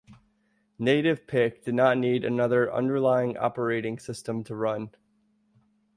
Native Pick did not need another underlying operating system to run.